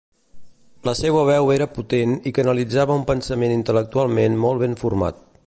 La seua veu era potent i canalitzava un pensament intel·lectualment molt ben format.